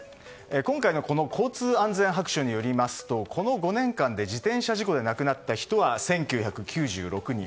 今回の交通安全白書によりますとこの５年間で自転車事故で亡くなった人は１９９６人。